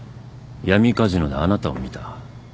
闇カジノであなたを見た。